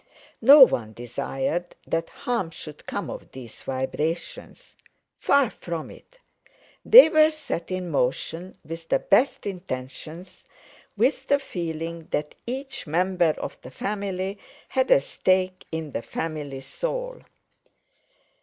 No one desired that harm should come of these vibrations—far from it; they were set in motion with the best intentions, with the feeling that each member of the family had a stake in the family soul.